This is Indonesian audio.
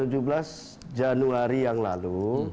tanggal tujuh belas januari yang lalu